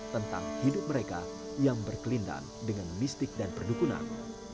tentang hidup mereka yang berkelindan dengan mistik dan perdukunan